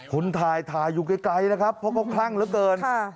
คุณถ่ายอยู่ไกลนะครับเพราะเขาคลั่งเหลือเกิน